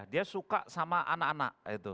dia suka sama anak anak